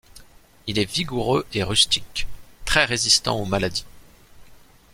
Il est vigoureux et rustique, très résistant aux maladies.